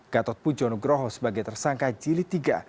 gatot pu jono groho sebagai tersangka jilid tiga